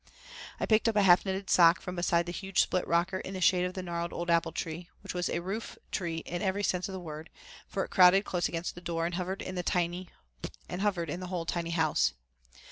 I picked up a half knitted sock from beside the huge split rocker in the shade of the gnarled old apple tree, which was a rooftree in every sense of the word, for it crowded close against the door and hovered in the whole tiny house.